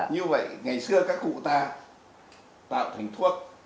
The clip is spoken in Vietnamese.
như vậy ngày xưa các cụ ta tạo thành thuốc